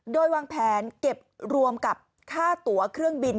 โดยวางแผนเก็บรวมกับค่าตัวเครื่องบิน